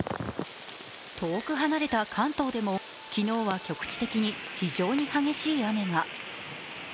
遠く離れた関東でも昨日は局地的に非常に激しい雨が。